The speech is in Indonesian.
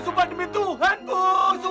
sumpah demi tuhan bu